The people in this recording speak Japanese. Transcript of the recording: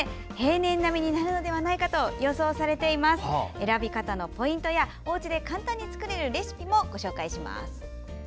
選び方のポイントやおうちで簡単に作れるレシピもご紹介します。